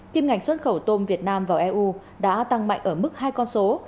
kim ngạch xuất khẩu tôm việt nam vào eu đã tăng mạnh ở mức hai con số